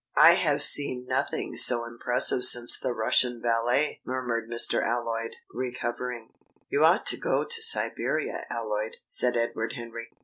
"I have seen nothing so impressive since the Russian ballet," murmured Mr. Alloyd, recovering. "You ought to go to Siberia, Alloyd," said Edward Henry.